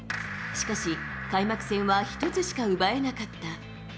しかし、開幕戦は１つしか奪えなかった。